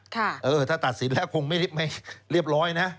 ถ้าตัดสินแล้วคงไม่เรียบร้อยนะ